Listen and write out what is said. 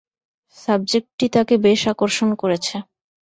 সাবজেক্টটি তাঁকে বেশ আকর্ষণ করেছে।